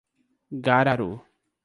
Gararu